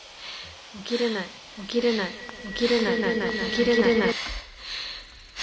「起きれない起きれない起きれない起きれない」。